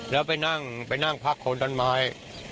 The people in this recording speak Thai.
แล้วไปนั่งพักคนต้นไม้